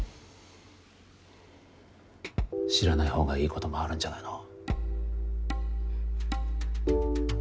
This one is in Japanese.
知らないほうがいいこともあるんじゃないの？